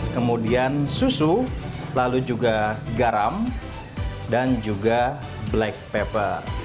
kemudian susu lalu juga garam dan juga black pepper